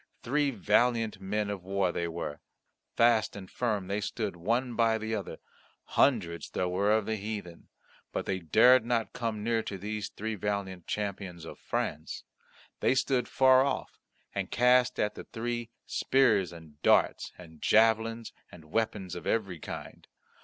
Three valiant men of war they were; fast and firm they stood one by the other; hundreds there were of the heathen, but they dared not come near to these three valiant champions of France. They stood far off, and cast at the three spears and darts and javelins and weapons of every kind.